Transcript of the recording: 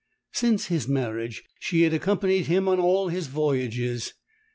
Since his marriage she had accompanied him on all his voyages.